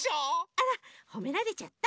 あらほめられちゃった。